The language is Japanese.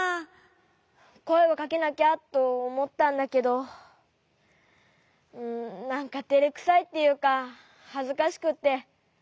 こえをかけなきゃとおもったんだけどなんかてれくさいっていうかはずかしくって。